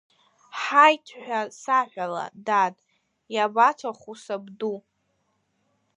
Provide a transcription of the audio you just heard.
Ҳаиҭ ҳәа саҳәала, дад, иабаҭаху сабду.